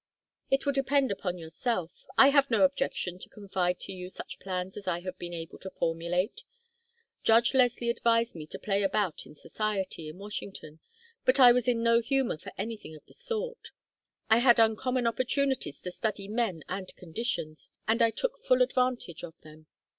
"It will depend upon yourself. I have no objection to confide to you such plans as I have been able to formulate. Judge Leslie advised me to play about in society, in Washington, but I was in no humor for anything of the sort. I had uncommon opportunities to study men and conditions, and I took full advantage of them.